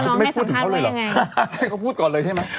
ว่าน้องไม่สัมภาษณ์ด้วยหรอให้เขาพูดก่อนเลยใช่ไหม